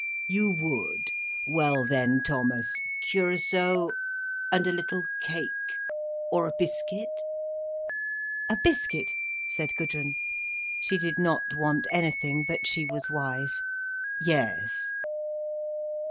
"You would. Well then Thomas, curaçao—and a little cake, or a biscuit?" "A biscuit," said Gudrun. She did not want anything, but she was wise. "Yes."